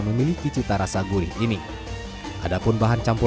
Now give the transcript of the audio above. kemudian membangunkan green antes atau beras yang cukup